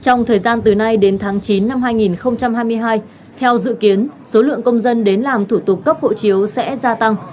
trong thời gian từ nay đến tháng chín năm hai nghìn hai mươi hai theo dự kiến số lượng công dân đến làm thủ tục cấp hộ chiếu sẽ gia tăng